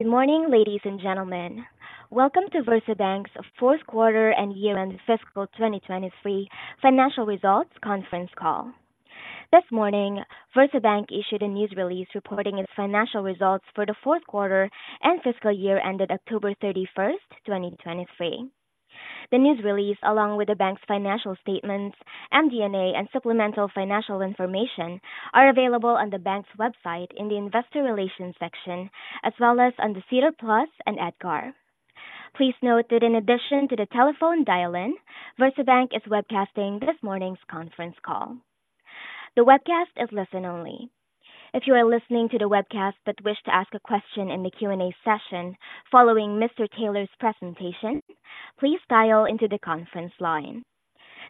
Good morning, ladies and gentlemen. Welcome to VersaBank's fourth quarter and year-end fiscal 2023 financial results conference call. This morning, VersaBank issued a news release reporting its financial results for the fourth quarter and fiscal year ended October 31, 2023. The news release, along with the bank's financial statements, MD&A, and supplemental financial information, are available on the bank's website in the Investor Relations section, as well as on SEDAR+ and EDGAR. Please note that in addition to the telephone dial-in, VersaBank is webcasting this morning's conference call. The webcast is listen-only. If you are listening to the webcast but wish to ask a question in the Q&A session following Mr. Taylor's presentation, please dial into the conference line,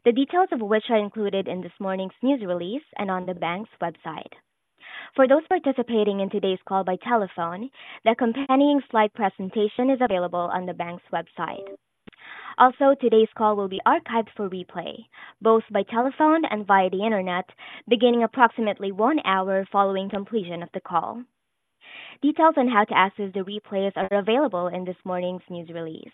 the details of which are included in this morning's news release and on the bank's website. For those participating in today's call by telephone, the accompanying slide presentation is available on the bank's website. Also, today's call will be archived for replay, both by telephone and via the Internet, beginning approximately one hour following completion of the call. Details on how to access the replays are available in this morning's news release.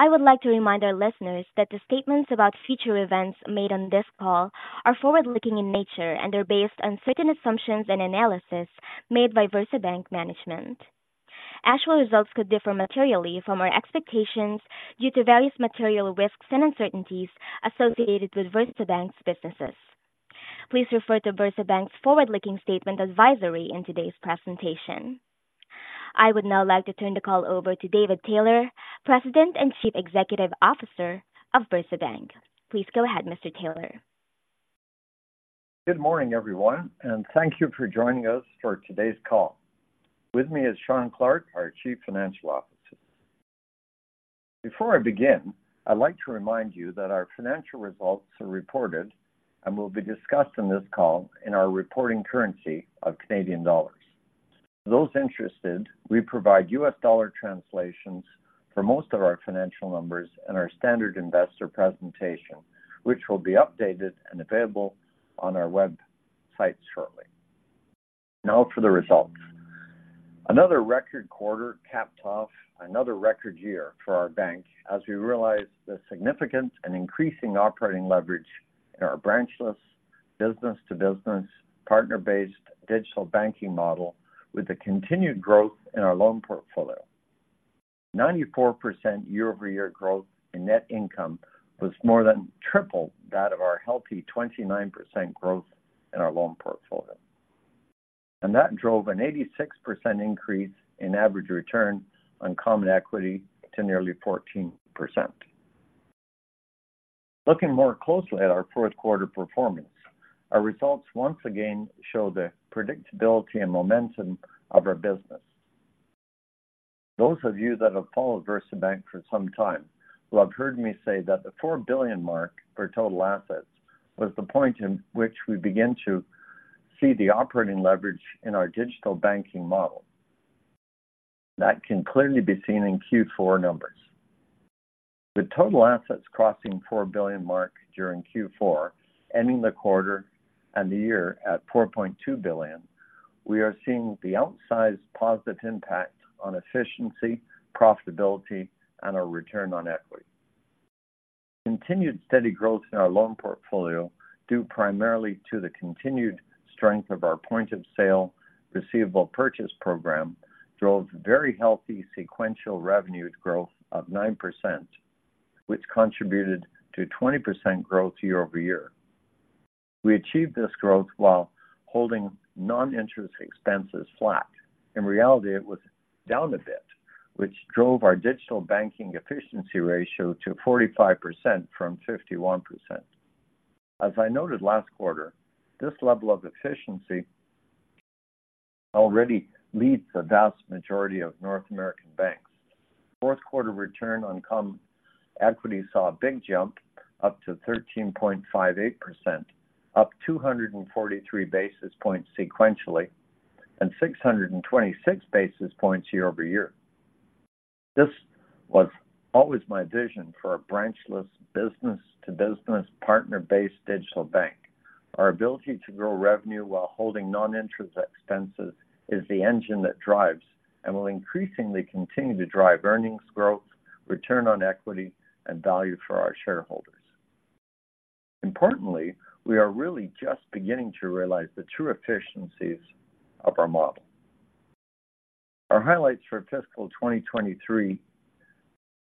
I would like to remind our listeners that the statements about future events made on this call are forward-looking in nature and are based on certain assumptions and analysis made by VersaBank Management. Actual results could differ materially from our expectations due to various material risks and uncertainties associated with VersaBank's businesses. Please refer to VersaBank's forward-looking statement advisory in today's presentation. I would now like to turn the call over to David Taylor, President and Chief Executive Officer of VersaBank. Please go ahead, Mr. Taylor. Good morning, everyone, and thank you for joining us for today's call. With me is Shawn Clarke, our Chief Financial Officer. Before I begin, I'd like to remind you that our financial results are reported and will be discussed in this call in our reporting currency of Canadian dollars. For those interested, we provide US dollar translations for most of our financial numbers and our standard investor presentation, which will be updated and available on our website shortly. Now for the results. Another record quarter capped off another record year for our bank as we realize the significance and increasing operating leverage in our branchless business-to-business, partner-based digital banking model with the continued growth in our loan portfolio. 94% year-over-year growth in net income was more than triple that of our healthy 29% growth in our loan portfolio, and that drove an 86% increase in average return on common equity to nearly 14%. Looking more closely at our fourth quarter performance, our results once again show the predictability and momentum of our business. Those of you that have followed VersaBank for some time will have heard me say that the 4 billion mark for total assets was the point in which we begin to see the operating leverage in our digital banking model. That can clearly be seen in Q4 numbers. With total assets crossing 4 billion mark during Q4, ending the quarter and the year at 4.2 billion, we are seeing the outsized positive impact on efficiency, profitability, and our return on equity. Continued steady growth in our loan portfolio, due primarily to the continued strength of our Point-of-Sale Receivable Purchase Program, drove very healthy sequential revenue growth of 9%, which contributed to 20% growth year-over-year. We achieved this growth while holding non-interest expenses flat. In reality, it was down a bit, which drove our Digital Banking Efficiency Ratio to 45% from 51%. As I noted last quarter, this level of efficiency already leads the vast majority of North American banks. Fourth quarter return on common equity saw a big jump up to 13.58%, up 243 basis points sequentially and 626 basis points year-over-year. This was always my vision for a branchless business-to-business, partner-based digital bank. Our ability to grow revenue while holding non-interest expenses is the engine that drives and will increasingly continue to drive earnings growth, return on equity, and value for our shareholders. Importantly, we are really just beginning to realize the true efficiencies of our model. Our highlights for fiscal 2023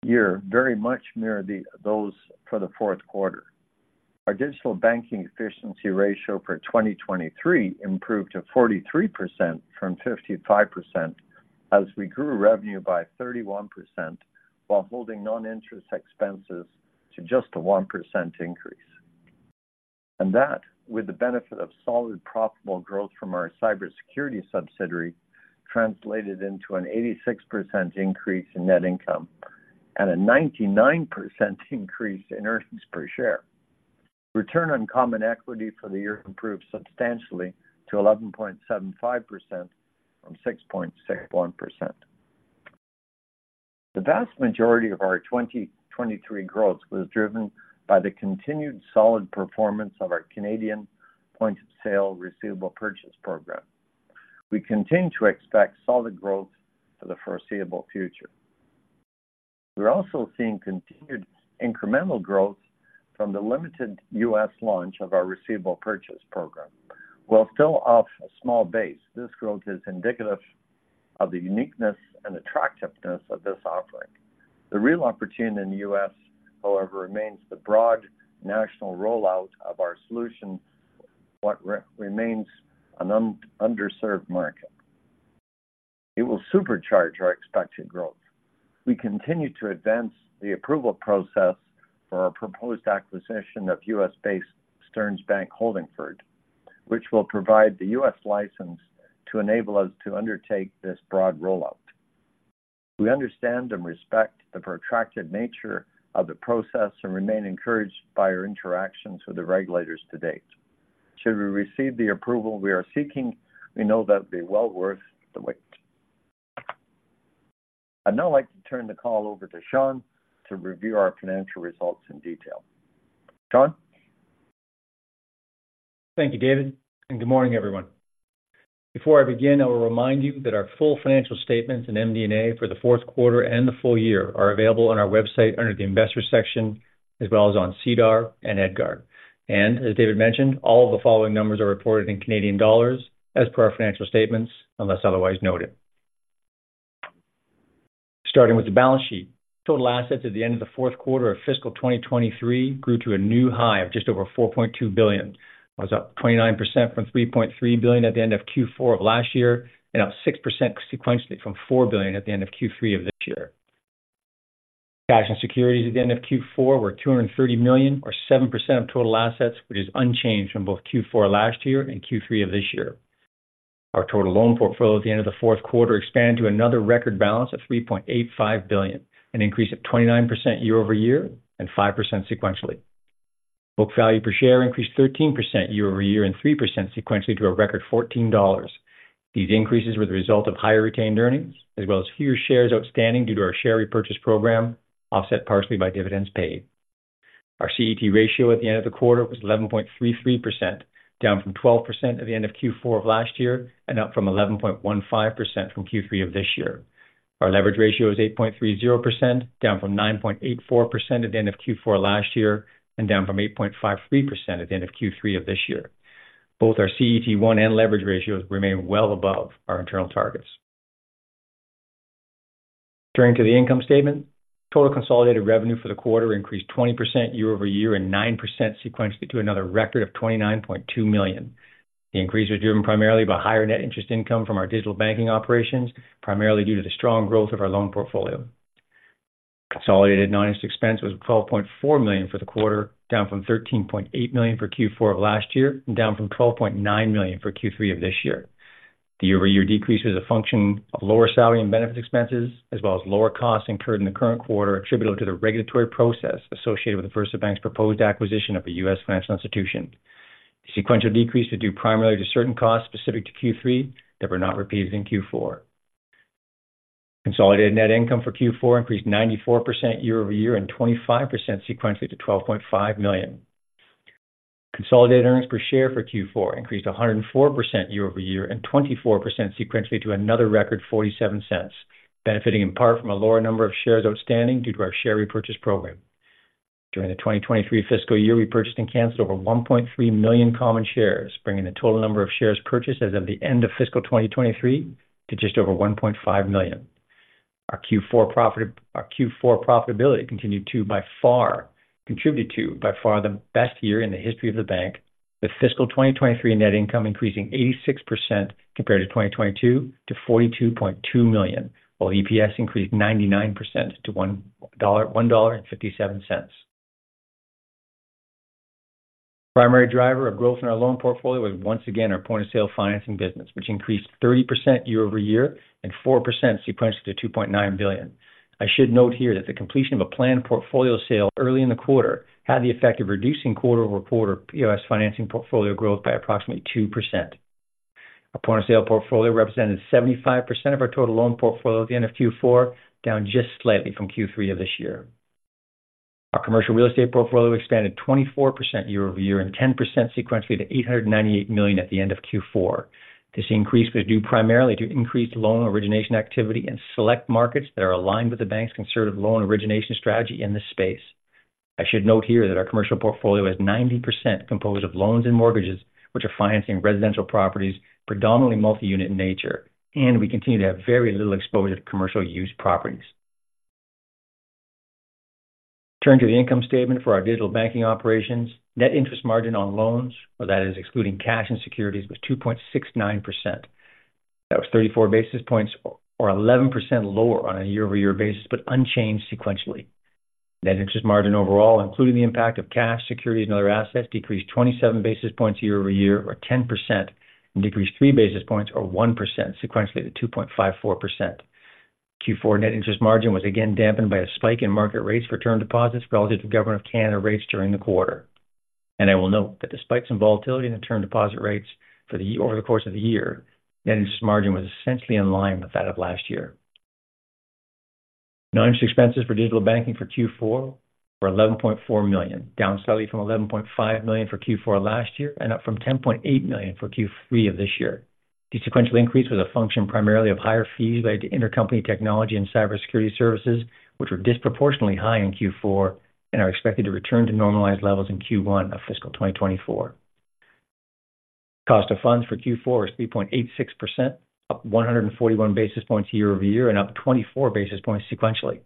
year very much mirror those for the fourth quarter. Our Digital Banking Efficiency Ratio for 2023 improved to 43% from 55% as we grew revenue by 31%, while holding non-interest expenses to just a 1% increase. And that, with the benefit of solid, profitable growth from our cybersecurity subsidiary, translated into an 86% increase in net income and a 99% increase in earnings per share. Return on Common Equity for the year improved substantially to 11.75% from 6.61%. The vast majority of our 2023 growth was driven by the continued solid performance of our Canadian Point-of-Sale Receivable Purchase Program. We continue to expect solid growth for the foreseeable future. We're also seeing continued incremental growth from the limited U.S. launch of our Receivable Purchase Program. While still off a small base, this growth is indicative of the uniqueness and attractiveness of this offering. The real opportunity in the U.S., however, remains the broad national rollout of our solution, what remains an underserved market. It will supercharge our expected growth. We continue to advance the approval process for our proposed acquisition of U.S.-based Stearns Bank Holdingford, which will provide the U.S. license to enable us to undertake this broad rollout. We understand and respect the protracted nature of the process and remain encouraged by our interactions with the regulators to date. Should we receive the approval we are seeking, we know that it will be well worth the wait. I'd now like to turn the call over to Shawn to review our financial results in detail. Shawn? Thank you, David, and good morning, everyone. Before I begin, I will remind you that our full financial statements and MD&A for the fourth quarter and the full year are available on our website under the Investors section, as well as on SEDAR and EDGAR. As David mentioned, all of the following numbers are reported in Canadian dollars, as per our financial statements, unless otherwise noted. Starting with the balance sheet. Total assets at the end of the fourth quarter of fiscal 2023 grew to a new high of just over 4.2 billion. Was up 29% from 3.3 billion at the end of Q4 of last year, and up 6% sequentially from 4 billion at the end of Q3 of this year. Cash and securities at the end of Q4 were 230 million, or 7% of total assets, which is unchanged from both Q4 last year and Q3 of this year. Our total loan portfolio at the end of the fourth quarter expanded to another record balance of 3.85 billion, an increase of 29% year-over-year and 5% sequentially. Book value per share increased 13% year-over-year and 3% sequentially to a record 14 dollars. These increases were the result of higher retained earnings, as well as fewer shares outstanding due to our share repurchase program, offset partially by dividends paid. Our CET1 ratio at the end of the quarter was 11.33%, down from 12% at the end of Q4 of last year and up from 11.15% from Q3 of this year. Our leverage ratio is 8.30%, down from 9.84% at the end of Q4 last year and down from 8.53% at the end of Q3 of this year. Both our CET1 and leverage ratios remain well above our internal targets. Turning to the income statement. Total consolidated revenue for the quarter increased 20% year-over-year and 9% sequentially to another record of 29.2 million. The increase was driven primarily by higher net interest income from our digital banking operations, primarily due to the strong growth of our loan portfolio. Consolidated non-interest expense was 12.4 million for the quarter, down from 13.8 million for Q4 of last year and down from 12.9 million for Q3 of this year. The year-over-year decrease is a function of lower salary and benefit expenses, as well as lower costs incurred in the current quarter, attributable to the regulatory process associated with VersaBank's proposed acquisition of a U.S. financial institution. The sequential decrease was due primarily to certain costs specific to Q3 that were not repeated in Q4. Consolidated net income for Q4 increased 94% year-over-year and 25% sequentially to 12.5 million. Consolidated earnings per share for Q4 increased 104% year-over-year and 24% sequentially to another record 0.47, benefiting in part from a lower number of shares outstanding due to our share repurchase program. During the 2023 fiscal year, we purchased and canceled over 1.3 million common shares, bringing the total number of shares purchased as of the end of fiscal 2023 to just over 1.5 million. Our Q4 profitability continued to, by far, contribute to by far the best year in the history of the bank, with fiscal 2023 net income increasing 86% compared to 2022 to 42.2 million, while EPS increased 99% to 1.57 dollar. Primary driver of growth in our loan portfolio is once again our point-of-sale financing business, which increased 30% year-over-year and 4% sequentially to 2.9 billion. I should note here that the completion of a planned portfolio sale early in the quarter had the effect of reducing quarter-over-quarter POS financing portfolio growth by approximately 2%. Our point-of-sale portfolio represented 75% of our total loan portfolio at the end of Q4, down just slightly from Q3 of this year. Our commercial real estate portfolio expanded 24% year-over-year and 10% sequentially to 898 million at the end of Q4. This increase was due primarily to increased loan origination activity in select markets that are aligned with the bank's conservative loan origination strategy in this space. I should note here that our commercial portfolio is 90% composed of loans and mortgages, which are financing residential properties, predominantly multi-unit in nature, and we continue to have very little exposure to commercial use properties. Turning to the income statement for our digital banking operations, net interest margin on loans, or that is, excluding cash and securities, was 2.69%. That was 34 basis points or 11% lower on a year-over-year basis, but unchanged sequentially. Net interest margin overall, including the impact of cash, securities, and other assets, decreased 27 basis points year-over-year or 10%, and decreased 3 basis points or 1% sequentially to 2.54%. Q4 net interest margin was again dampened by a spike in market rates for term deposits relative to Government of Canada rates during the quarter. I will note that despite some volatility in the term deposit rates for the over the course of the year, net interest margin was essentially in line with that of last year. Non-interest expenses for digital banking for Q4 were 11.4 million, down slightly from 11.5 million for Q4 last year, and up from 10.8 million for Q3 of this year. The sequential increase was a function primarily of higher fees related to intercompany technology and cybersecurity services, which were disproportionately high in Q4 and are expected to return to normalized levels in Q1 of fiscal 2024. Cost of funds for Q4 is 3.86%, up 141 basis points year-over-year and up 24 basis points sequentially.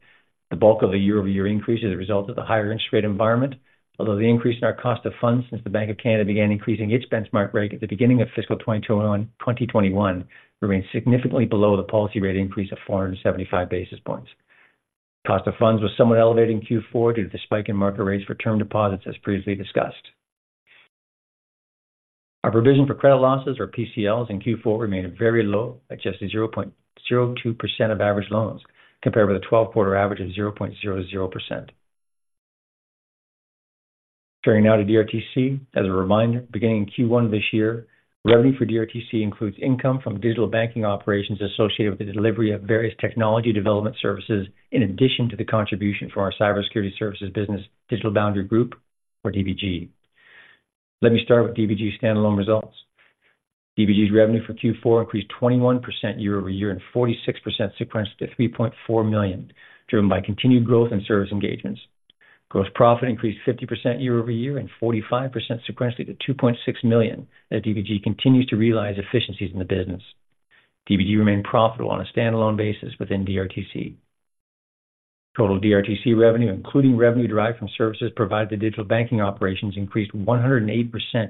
The bulk of the year-over-year increase is a result of the higher interest rate environment, although the increase in our cost of funds since the Bank of Canada began increasing its benchmark rate at the beginning of fiscal 2021, remains significantly below the policy rate increase of 475 basis points. Cost of funds was somewhat elevated in Q4 due to the spike in market rates for term deposits, as previously discussed. Our provision for credit losses, or PCLs, in Q4 remained very low at just 0.02% of average loans, compared with a 12-quarter average of 0.00%. Turning now to DRT Cyber. As a reminder, beginning in Q1 this year, revenue for DRTC includes income from digital banking operations associated with the delivery of various technology development services, in addition to the contribution from our cybersecurity services business, Digital Boundary Group or DBG. Let me start with DBG's standalone results. DBG's revenue for Q4 increased 21% year-over-year and 46% sequentially to 3.4 million, driven by continued growth in service engagements. Gross profit increased 50% year-over-year and 45% sequentially to 2.6 million, as DBG continues to realize efficiencies in the business. DBG remained profitable on a standalone basis within DRTC. Total DRTC revenue, including revenue derived from services provided to digital banking operations, increased 108%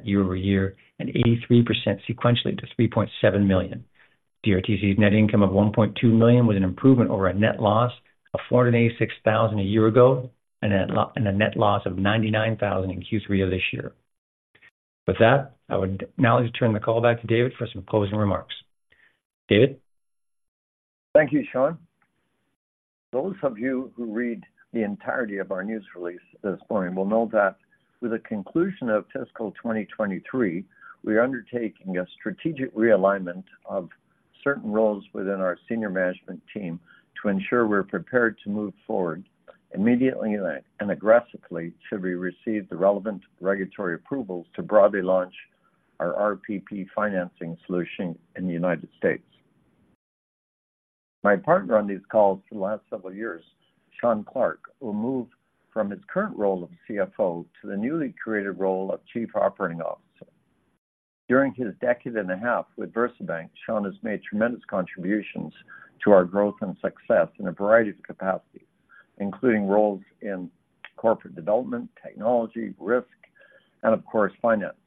year-over-year and 83% sequentially to 3.7 million. DRT Cyber's net income of $1.2 million was an improvement over a net loss of $486,000 a year ago and a net loss of $99,000 in Q3 of this year. With that, I would now turn the call back to David for some closing remarks. David? Thank you, Shawn. Those of you who read the entirety of our news release this morning will know that with the conclusion of fiscal 2023, we are undertaking a strategic realignment of certain roles within our senior management team to ensure we're prepared to move forward immediately and aggressively should we receive the relevant regulatory approvals to broadly launch our RPP financing solution in the United States. My partner on these calls for the last several years, Shawn Clarke, will move from his current role of CFO to the newly created role of Chief Operating Officer. During his decade and a half with VersaBank, Shawn has made tremendous contributions to our growth and success in a variety of capacities, including roles in corporate development, technology, risk, and of course, finance,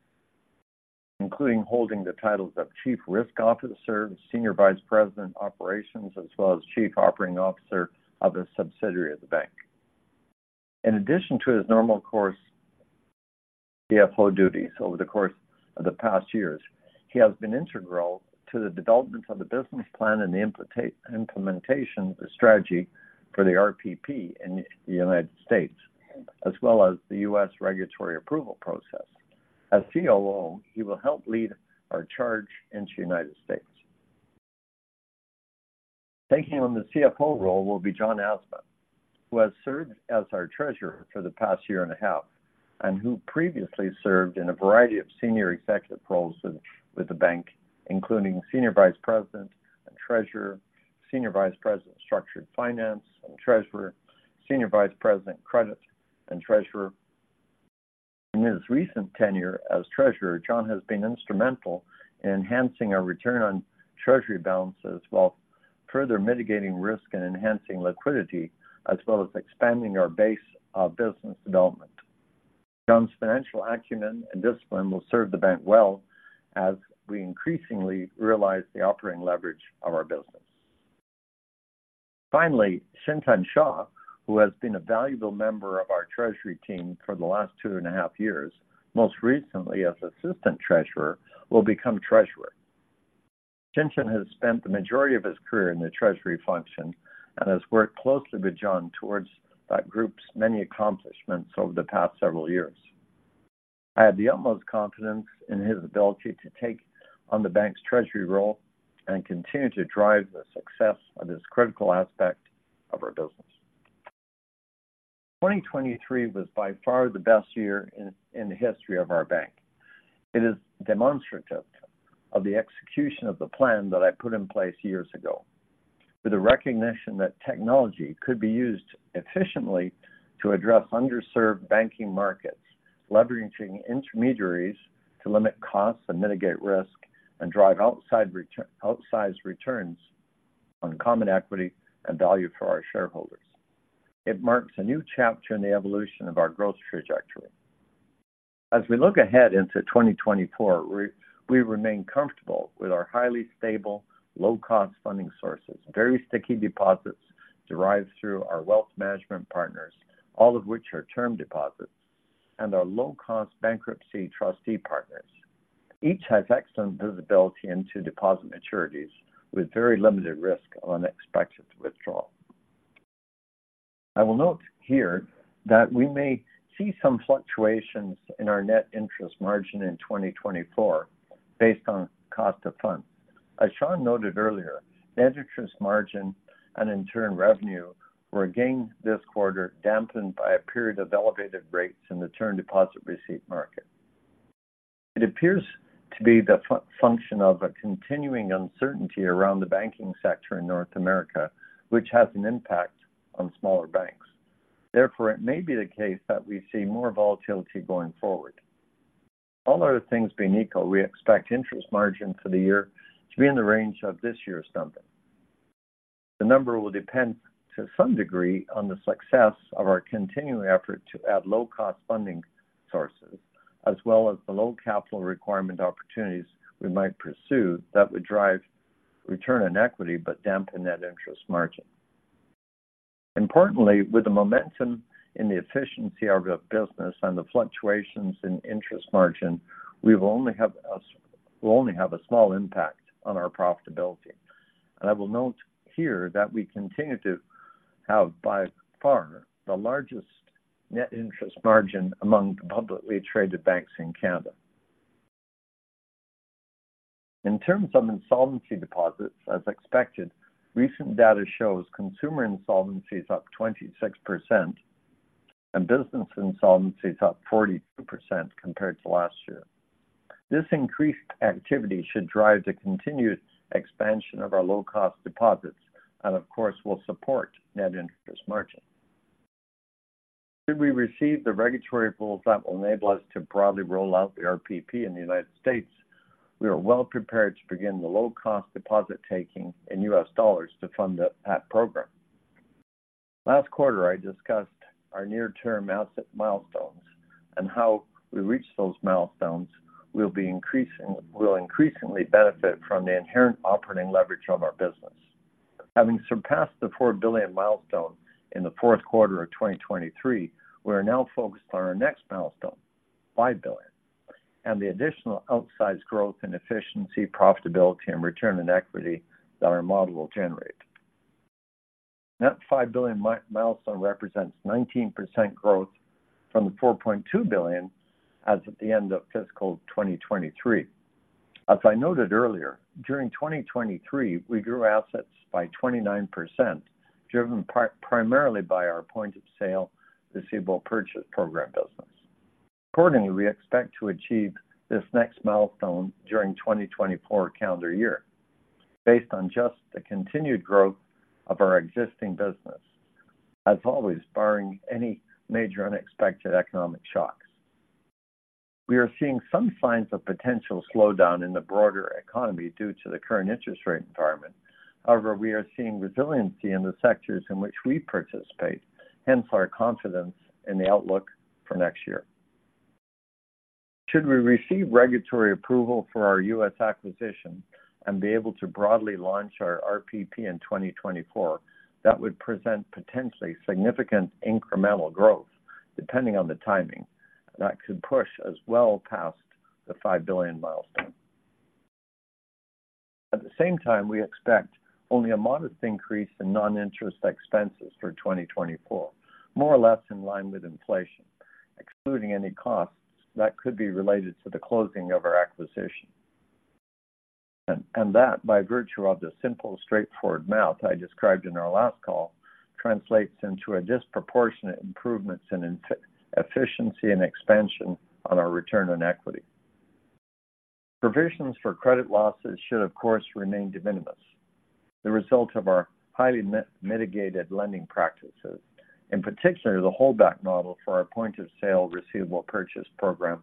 including holding the titles of Chief Risk Officer, Senior Vice President, Operations, as well as Chief Operating Officer of a subsidiary of the bank. In addition to his normal course CFO duties over the course of the past years, he has been integral to the development of the business plan and the implementation of the strategy for the RPP in the United States, as well as the US regulatory approval process. As COO, he will help lead our charge into the United States. Taking on the CFO role will be John Asma, who has served as our treasurer for the past year and a half, and who previously served in a variety of senior executive roles with the bank, including Senior Vice President and Treasurer, Senior Vice President of Structured Finance and Treasurer, Senior Vice President, Credit and Treasurer. In his recent tenure as Treasurer, John has been instrumental in enhancing our return on treasury balances, while further mitigating risk and enhancing liquidity, as well as expanding our base of business development. John's financial acumen and discipline will serve the bank well as we increasingly realize the operating leverage of our business. Finally, Chintan Shah, who has been a valuable member of our treasury team for the last two and a half years, most recently as Assistant Treasurer, will become Treasurer. Shah has spent the majority of his career in the treasury function and has worked closely with John towards that group's many accomplishments over the past several years. I have the utmost confidence in his ability to take on the bank's treasury role and continue to drive the success of this critical aspect of our business. 2023 was by far the best year in the history of our bank. It is demonstrative of the execution of the plan that I put in place years ago, with the recognition that technology could be used efficiently to address underserved banking markets, leveraging intermediaries to limit costs and mitigate risk, and drive outsized returns on common equity and value for our shareholders. It marks a new chapter in the evolution of our growth trajectory. As we look ahead into 2024, we remain comfortable with our highly stable, low-cost funding sources, very sticky deposits derived through our wealth management partners, all of which are term deposits and our low-cost bankruptcy trustee partners. Each has excellent visibility into deposit maturities with very limited risk of unexpected withdrawal. I will note here that we may see some fluctuations in our net interest margin in 2024, based on cost of funds. As Shawn noted earlier, net interest margin and in turn, revenue, were again this quarter, dampened by a period of elevated rates in the term deposit receipt market. It appears to be the function of a continuing uncertainty around the banking sector in North America, which has an impact on smaller banks. Therefore, it may be the case that we see more volatility going forward. All other things being equal, we expect interest margin for the year to be in the range of this year's number. The number will depend to some degree on the success of our continuing effort to add low-cost funding sources, as well as the low capital requirement opportunities we might pursue that would drive return on equity, but dampen net interest margin. Importantly, with the momentum in the efficiency of our business and the fluctuations in interest margin, we will only have a small impact on our profitability. And I will note here that we continue to have, by far, the largest net interest margin among the publicly traded banks in Canada. In terms of insolvency deposits, as expected, recent data shows consumer insolvency is up 26% and business insolvency is up 42% compared to last year. This increased activity should drive the continued expansion of our low-cost deposits and of course, will support net interest margin. Should we receive the regulatory rules that will enable us to broadly roll out the RPP in the United States, we are well prepared to begin the low-cost deposit taking in US dollars to fund that program. Last quarter, I discussed our near-term asset milestones and how we reach those milestones will increasingly benefit from the inherent operating leverage of our business. Having surpassed the 4 billion milestone in the fourth quarter of 2023, we are now focused on our next milestone, 5 billion, and the additional outsized growth and efficiency, profitability, and return on equity that our model will generate. That 5 billion milestone represents 19% growth from the 4.2 billion as at the end of fiscal 2023. As I noted earlier, during 2023, we grew assets by 29%, driven primarily by our point-of-sale Receivable Purchase Program business. Accordingly, we expect to achieve this next milestone during 2024 calendar year, based on just the continued growth of our existing business. As always, barring any major unexpected economic shocks, we are seeing some signs of potential slowdown in the broader economy due to the current interest rate environment. However, we are seeing resiliency in the sectors in which we participate, hence our confidence in the outlook for next year. Should we receive regulatory approval for our US acquisition and be able to broadly launch our RPP in 2024, that would present potentially significant incremental growth, depending on the timing, that could push us well past the 5 billion milestone. At the same time, we expect only a modest increase in non-interest expenses for 2024, more or less in line with inflation, excluding any costs that could be related to the closing of our acquisition. That, by virtue of the simple, straightforward math I described in our last call, translates into a disproportionate improvements in efficiency and expansion on our return on equity. Provisions for credit losses should, of course, remain de minimis, the result of our highly mitigated lending practices, in particular, the holdback model for our Point-of-Sale Receivable Purchase Program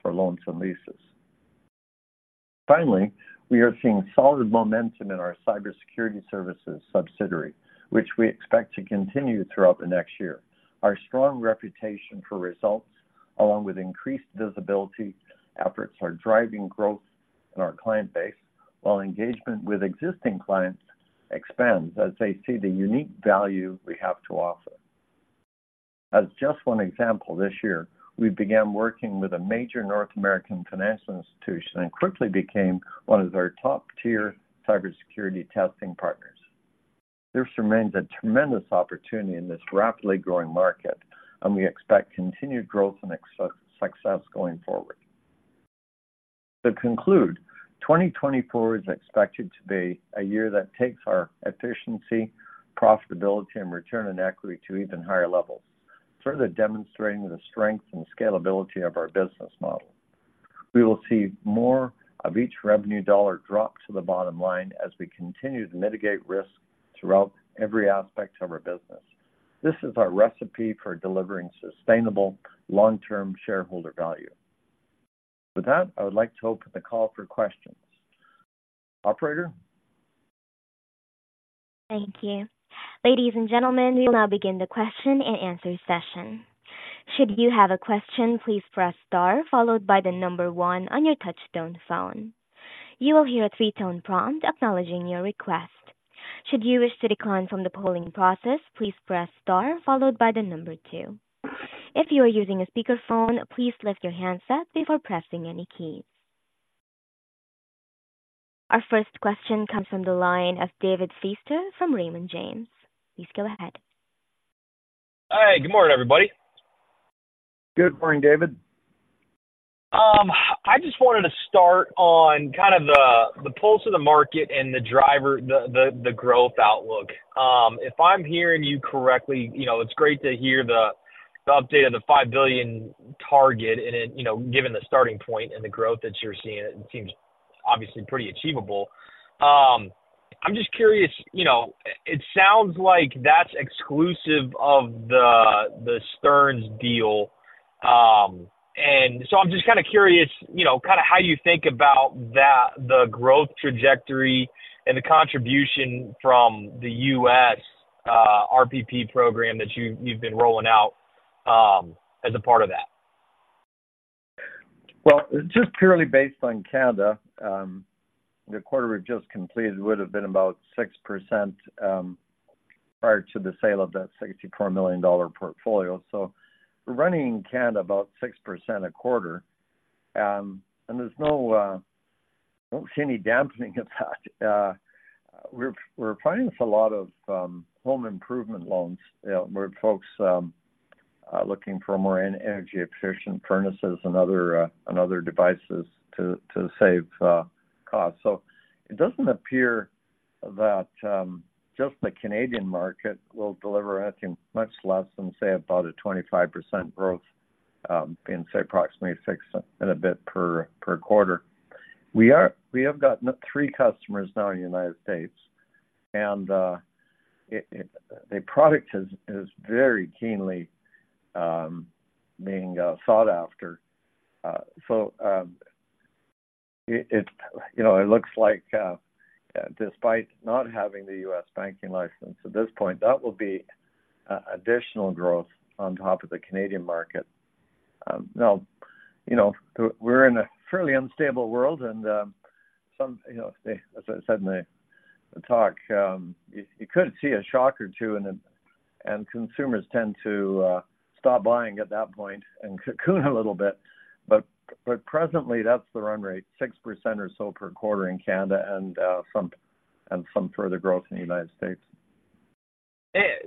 for loans and leases. Finally, we are seeing solid momentum in our cybersecurity services subsidiary, which we expect to continue throughout the next year. Our strong reputation for results, along with increased visibility efforts, are driving growth in our client base, while engagement with existing clients expands as they see the unique value we have to offer. As just one example, this year, we began working with a major North American financial institution and quickly became one of their top-tier cybersecurity testing partners. This remains a tremendous opportunity in this rapidly growing market, and we expect continued growth and success going forward. To conclude, 2024 is expected to be a year that takes our efficiency, profitability, and return on equity to even higher levels, further demonstrating the strength and scalability of our business model. We will see more of each revenue dollar drop to the bottom line as we continue to mitigate risk throughout every aspect of our business. This is our recipe for delivering sustainable long-term shareholder value. With that, I would like to open the call for questions. Operator? Thank you. Ladies and gentlemen, we will now begin the question and answer session. Should you have a question, please press star followed by the number one on your touchtone phone. You will hear a three-tone prompt acknowledging your request. Should you wish to decline from the polling process, please press star followed by the number two. If you are using a speakerphone, please lift your handset before pressing any keys.... Our first question comes from the line of David Feaster from Raymond James. Please go ahead. Hi, good morning, everybody. Good morning, David. I just wanted to start on kind of the pulse of the market and the driver, the growth outlook. If I'm hearing you correctly, you know, it's great to hear the update on the 5 billion target, and then, you know, given the starting point and the growth that you're seeing, it seems obviously pretty achievable. I'm just curious, you know, it sounds like that's exclusive of the Stearns deal. And so I'm just kinda curious, you know, kinda how you think about that, the growth trajectory and the contribution from the U.S. RPP program that you, you've been rolling out, as a part of that? Well, just purely based on Canada, the quarter we've just completed would have been about 6%, prior to the sale of that 64 million dollar portfolio. So we're running in Canada about 6% a quarter, and there's no, I don't see any dampening effect. We're applying for a lot of home improvement loans, you know, where folks are looking for more energy efficient furnaces and other devices to save cost. So it doesn't appear that just the Canadian market will deliver, I think, much less than, say, about a 25% growth, in, say, approximately 6 and a bit per quarter. We have gotten 3 customers now in the United States, and, the product is very keenly being sought after. So, you know, it looks like, despite not having the US banking license at this point, that will be additional growth on top of the Canadian market. Now, you know, we're in a fairly unstable world, and some, you know, as I said in the talk, you could see a shock or two, and then consumers tend to stop buying at that point and cocoon a little bit, but presently, that's the run rate, 6% or so per quarter in Canada and some further growth in the United States.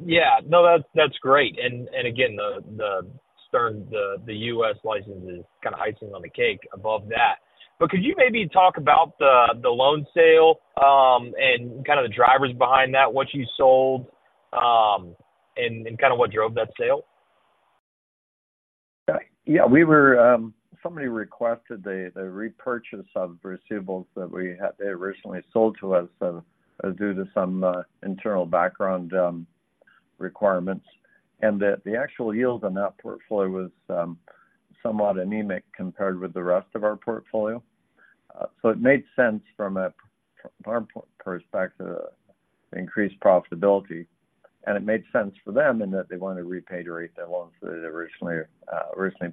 Yeah. No, that's, that's great. And, and again, the, the Stearns, the, the U.S. license is kinda icing on the cake above that. But could you maybe talk about the, the loan sale, and kinda the drivers behind that, what you sold, and, and kinda what drove that sale? Yeah, we were. Somebody requested the repurchase of receivables that they had originally sold to us due to some internal background requirements, and that the actual yield on that portfolio was somewhat anemic compared with the rest of our portfolio. So it made sense from a perspective to increase profitability, and it made sense for them, and that they wanted to repay their loans that they originally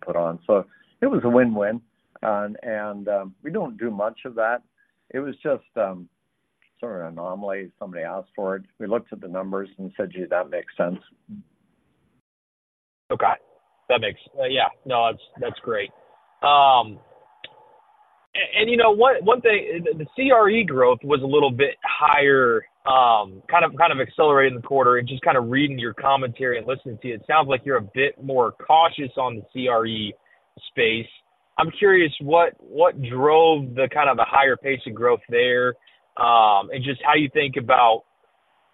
put on. So it was a win-win, and we don't do much of that. It was just sort of an anomaly. Somebody asked for it. We looked at the numbers and said, "Gee, that makes sense. Okay, that makes... Yeah, no, that's, that's great. And, you know what, one thing, the CRE growth was a little bit higher, kind of, kind of accelerated in the quarter and just kinda reading your commentary and listening to you, it sounds like you're a bit more cautious on the CRE space. I'm curious, what, what drove the kind of the higher pace of growth there? And just how you think about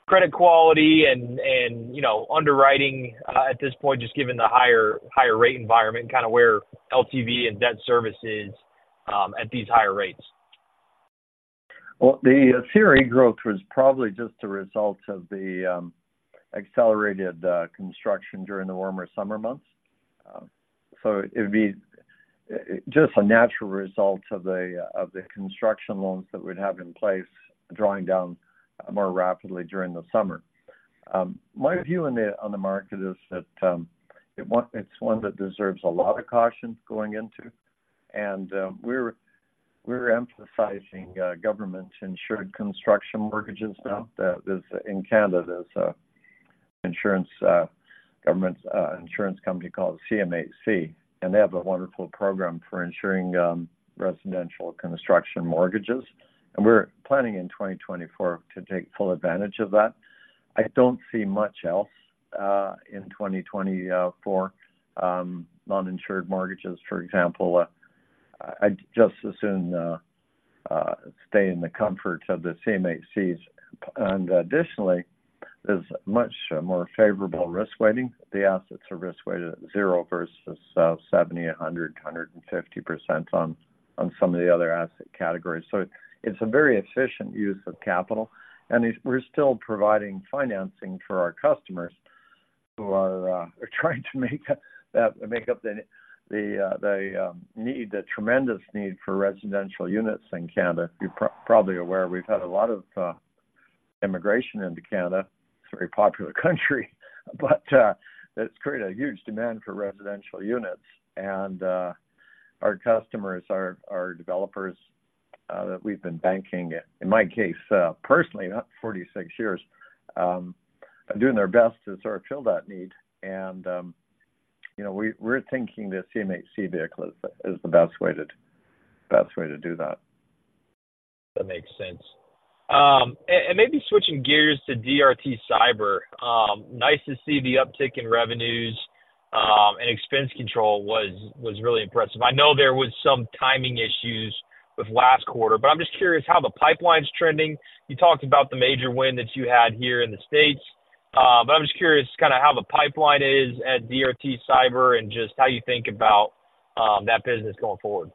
credit quality and, and, you know, underwriting, at this point, just given the higher, higher rate environment, kinda where LTV and debt service is, at these higher rates? Well, the CRE growth was probably just a result of the accelerated construction during the warmer summer months. So it would be just a natural result of the construction loans that we'd have in place, drawing down more rapidly during the summer. My view on the market is that it's one that deserves a lot of caution going into, and we're emphasizing government-insured construction mortgages now. That is, in Canada, there's a government insurance company called CMHC, and they have a wonderful program for ensuring residential construction mortgages, and we're planning in 2024 to take full advantage of that. I don't see much else in 2024 non-insured mortgages, for example, I'd just as soon stay in the comfort of the CMHCs. Additionally, there's much more favorable risk weighting. The assets are risk weighted at zero versus 70, 100, 150% on some of the other asset categories. So it's a very efficient use of capital, and we're still providing financing for our customers who are trying to make up the tremendous need for residential units in Canada. You're probably aware, we've had a lot of immigration into Canada. It's a very popular country, but it's created a huge demand for residential units, and our customers are developers that we've been banking, in my case, personally, not 46 years, are doing their best to sort of fill that need. You know, we're thinking the CMHC vehicle is the best way to do that. That makes sense. And maybe switching gears to DRT Cyber, nice to see the uptick in revenues, and expense control was really impressive. I know there was some timing issues with last quarter, but I'm just curious how the pipeline's trending. You talked about the major win that you had here in the States, but I'm just curious kinda how the pipeline is at DRT Cyber and just how you think about that business going forward?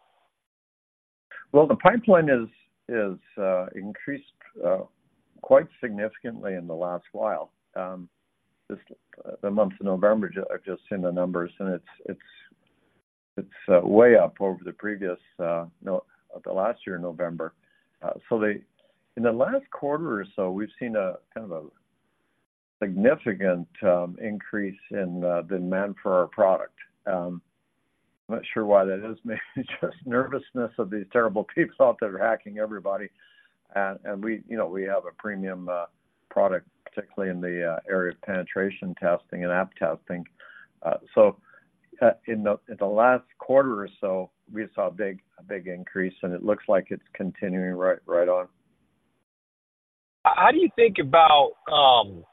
Well, the pipeline increased quite significantly in the last while. Just the month of November, I've just seen the numbers, and it's way up over the previous of the last year in November. In the last quarter or so, we've seen a kind of a significant increase in demand for our product. I'm not sure why that is. Maybe just nervousness of these terrible people out there hacking everybody. And we, you know, we have a premium product, particularly in the area of penetration testing and app testing. So, in the last quarter or so, we saw a big increase, and it looks like it's continuing right on. How do you think about, you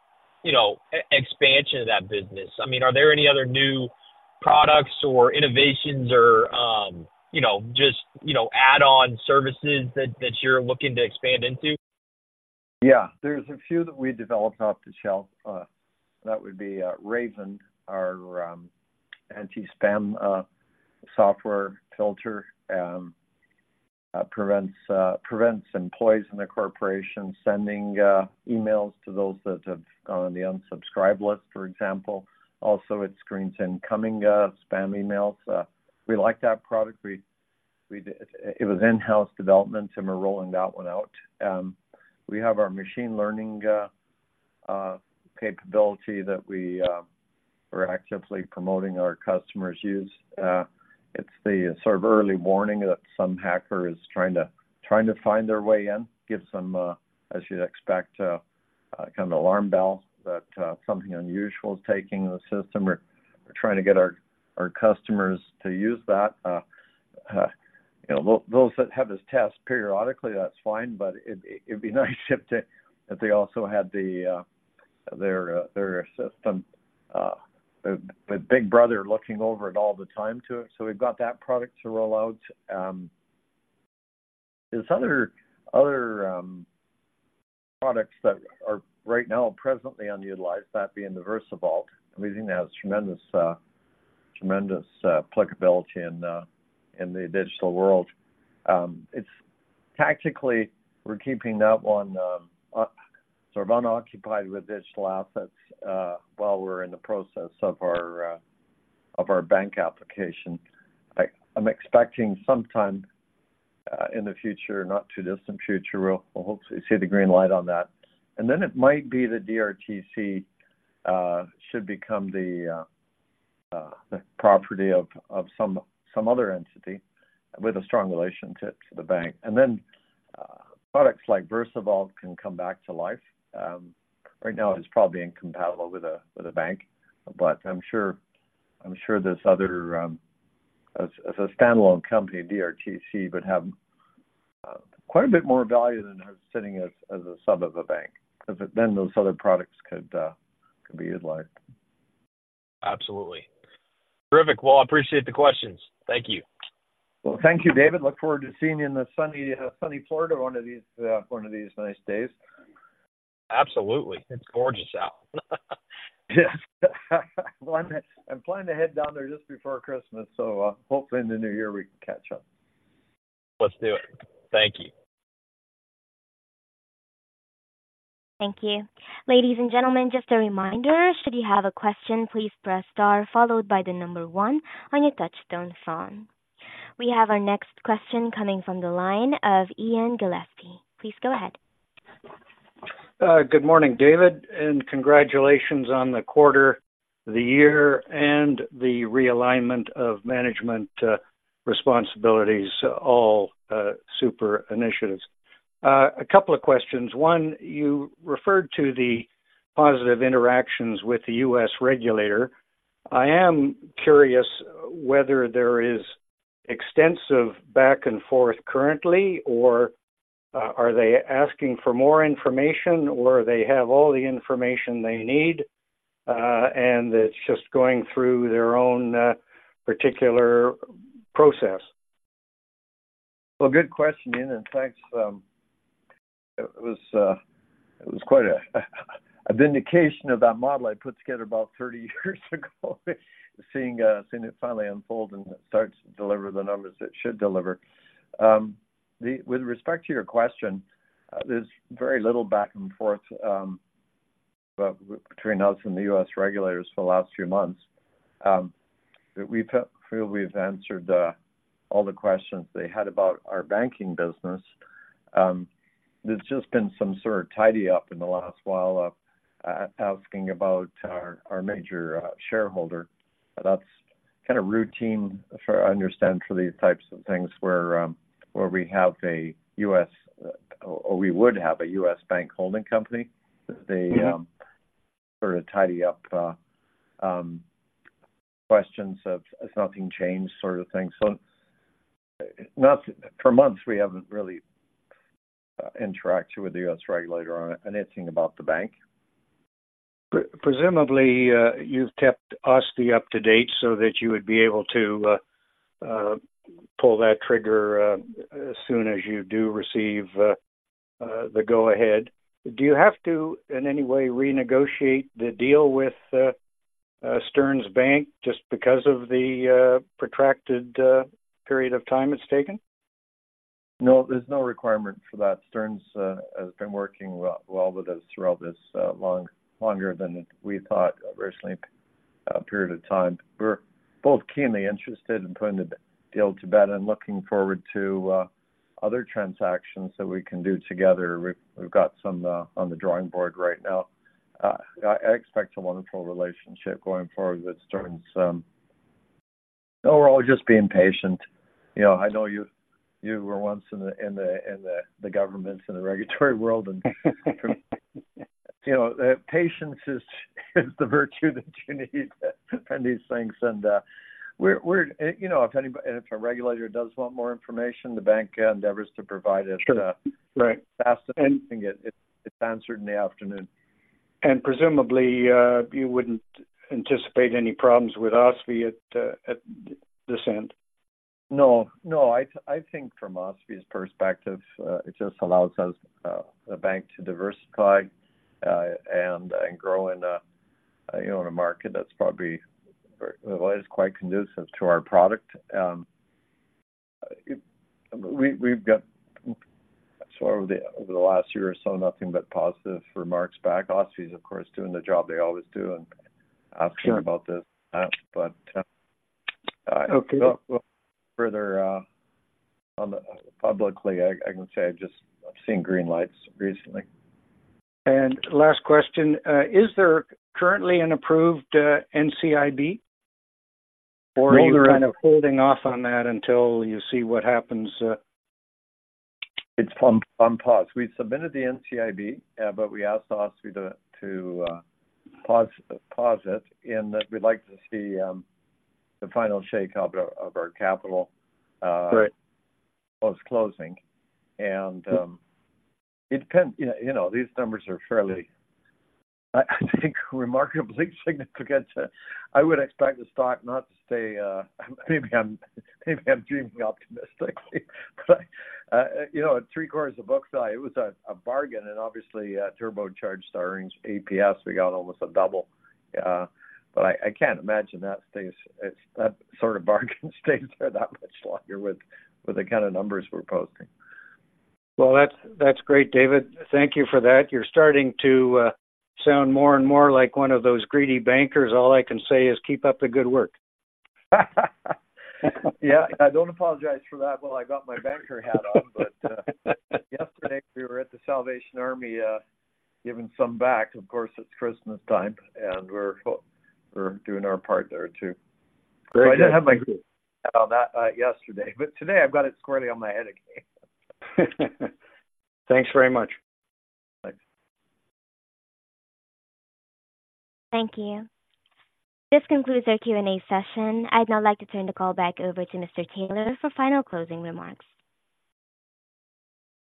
know, expansion of that business? I mean, are there any other new products or innovations or, you know, just, you know, add-on services that, that you're looking to expand into? Yeah, there's a few that we developed off the shelf. That would be Raven, our anti-spam software filter prevents employees in the corporation sending emails to those that have gone on the unsubscribe list, for example. Also, it screens incoming spam emails. We like that product. It was in-house development, and we're rolling that one out. We have our machine learning capability that we're actively promoting our customers use. It's the sort of early warning that some hacker is trying to find their way in. Gives them, as you'd expect, kind of alarm bell that something unusual is taking the system. We're trying to get our customers to use that. You know, those that have this test periodically, that's fine, but it'd be nice if they also had their system, the big brother looking over it all the time to it. So we've got that product to roll out. There's other products that are right now presently underutilized, that being the VersaVault. And we think that has tremendous applicability in the digital world. It's tactically, we're keeping that one sort of unoccupied with digital assets while we're in the process of our bank application. I'm expecting sometime in the future, not too distant future, we'll hopefully see the green light on that. And then it might be the DRT Cyber should become the property of some other entity with a strong relationship to the bank. And then products like VersaVault can come back to life. Right now, it's probably incompatible with a bank, but I'm sure this other as a standalone company, DRT Cyber, would have quite a bit more value than sitting as a sub of a bank, because then those other products could be utilized. Absolutely. Terrific. Well, I appreciate the questions. Thank you. Well, thank you, David. Look forward to seeing you in the sunny, sunny Florida, one of these, one of these nice days. Absolutely. It's gorgeous out. Yes. I'm planning to head down there just before Christmas, so, hopefully in the new year we can catch up. Let's do it. Thank you. Thank you. Ladies and gentlemen, just a reminder, should you have a question, please press star followed by the number one on your touchtone phone. We have our next question coming from the line of Ian Gillespie. Please go ahead. Good morning, David, and congratulations on the quarter, the year, and the realignment of management responsibilities, all super initiatives. A couple of questions. One, you referred to the positive interactions with the U.S. regulator. I am curious whether there is extensive back and forth currently, or are they asking for more information, or they have all the information they need, and it's just going through their own particular process? Well, good question, Ian, and thanks. It was quite a vindication of that model I put together about 30 years ago, seeing it finally unfold and start to deliver the numbers it should deliver. With respect to your question, there's very little back and forth between us and the U.S. regulators for the last few months. We feel we've answered all the questions they had about our banking business. There's just been some sort of tidy up in the last while asking about our major shareholder, but that's kind of routine for, I understand, for these types of things where we have a U.S. or we would have a U.S. bank holding company. They sort of tidy up questions of has nothing changed sort of thing. So, not for months, we haven't really interacted with the U.S. regulator on anything about the bank. Presumably, you've kept OSFI up to date so that you would be able to pull that trigger as soon as you do receive the go-ahead. Do you have to, in any way, renegotiate the deal with Stearns Bank, just because of the protracted period of time it's taken? No, there's no requirement for that. Stearns has been working well with us throughout this longer than we thought originally period of time. We're both keenly interested in putting the deal to bed and looking forward to other transactions that we can do together. We've got some on the drawing board right now. I expect a wonderful relationship going forward with Stearns. Overall, just being patient. You know, I know you were once in the government in the regulatory world, and you know patience is the virtue that you need in these things. And we're you know, if a regulator does want more information, the bank endeavors to provide it. Sure. Right. Ask anything, it's answered in the afternoon. Presumably, you wouldn't anticipate any problems with OSFI at this end? No, no, I think from OSFI's perspective, it just allows us, the bank to diversify, and grow in a, you know, in a market that's probably very, well, is quite conducive to our product. We, we've got sort of the, over the last year or so, nothing but positive remarks back. OSFI's, of course, doing the job they always do and asking- Sure about this, but Okay. Further, on the publicly, I can say I've just seen green lights recently. Last question, is there currently an approved NCIB, or are you kind of holding off on that until you see what happens? It's on pause. We submitted the NCIB, but we asked OSFI to pause it, in that we'd like to see the final shakeout of our capital. Right Post-closing. And it depends, you know, these numbers are fairly, I think, remarkably significant. I would expect the stock not to stay, maybe I'm dreaming optimistically, but, you know, at 3/4 a book value, it was a bargain, and obviously, turbocharged our EPS, we got almost a double. But I can't imagine that stays, that sort of bargain stays there that much longer with the kind of numbers we're posting. Well, that's, that's great, David. Thank you for that. You're starting to sound more and more like one of those greedy bankers. All I can say is keep up the good work. Yeah, I don't apologize for that. Well, I got my banker hat on, but, yesterday, we were at The Salvation Army, giving some back. Of course, it's Christmas time, and we're, we're doing our part there, too. Great. I did have my hat on that yesterday, but today I've got it squarely on my head again. Thanks very much. Thanks. Thank you. This concludes our Q&A session. I'd now like to turn the call back over to Mr. Taylor for final closing remarks.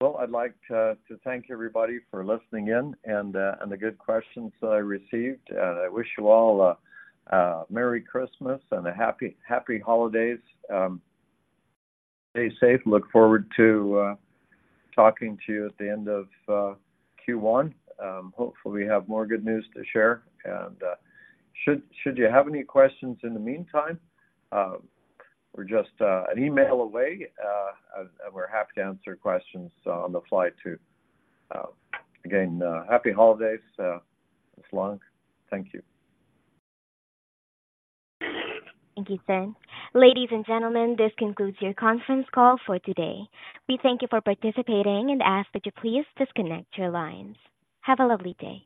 Well, I'd like to thank everybody for listening in and the good questions that I received. And I wish you all a merry Christmas and happy holidays. Stay safe. Look forward to talking to you at the end of Q1. Hopefully, we have more good news to share. And should you have any questions in the meantime, we're just an email away, and we're happy to answer questions on the fly, too. Again, happy holidays, so long. Thank you. Thank you, sir. Ladies and gentlemen, this concludes your conference call for today. We thank you for participating and ask that you please disconnect your lines. Have a lovely day.